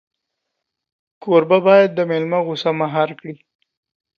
کوربه باید د مېلمه غوسه مهار کړي.